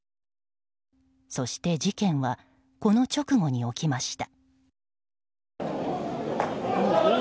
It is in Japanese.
そして事件はこの直後に起きました。